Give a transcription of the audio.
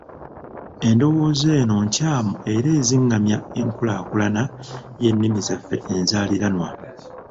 Endowooza eno nkyamu era ezingamya enkulaakulana y’ennimi zaffe enzaaliranwa.